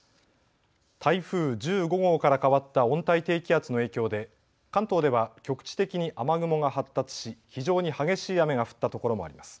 台風１５号から変わった温帯低気圧の影響で関東では局地的に雨雲が発達し非常に激しい雨が降ったところもあります。